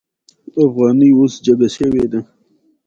ازادي راډیو د د بشري حقونو نقض په اړه د نوښتونو خبر ورکړی.